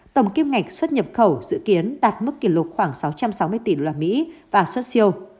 tổng kim ngạch xuất nhập khẩu dự kiến đạt mức kỷ lục khoảng sáu trăm sáu mươi tỷ usd và xuất siêu